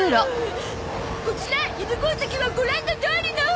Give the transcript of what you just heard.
こちら犬吠埼はご覧のとおりの！